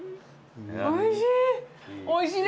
おいしい。